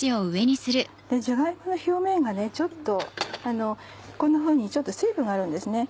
じゃが芋の表面がこんなふうにちょっと水分があるんですね。